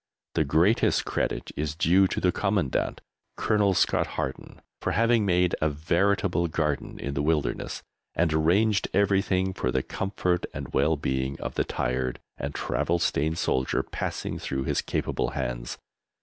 The greatest credit is due to the Commandant, Colonel Scott Harden, for having made a veritable garden in the wilderness, and arranged everything for the comfort and well being of the tired and travel stained soldier passing through his capable hands.